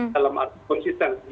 dalam arti konsisten